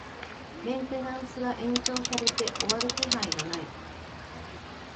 メンテナンスが延長されて終わる気配がない